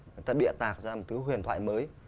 người ta bịa tạc ra một thứ huyền thoại mới